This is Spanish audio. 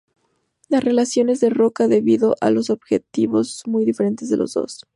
La relación es de roca, debido a los objetivos muy diferentes de los dos.